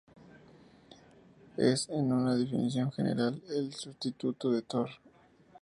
Es, en una definición general, el "sustituto" de Thor.